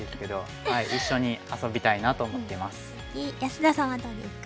安田さんはどうですか？